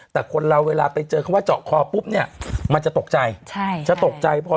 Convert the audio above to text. แต่คนเราเวลาไปเจอคำว่าเจาะคอนี้มันจะตกใจ